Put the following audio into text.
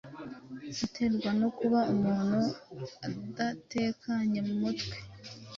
iterwa no kuba umuntu adatekanye mu mutwe